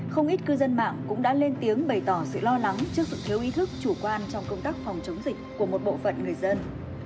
không ít cư dân mạng cũng đã lên tiếng bày tỏ sự lo lắng trước sự thiếu ý thức chủ quan trong công tác phòng chống dịch của một bộ phận người dân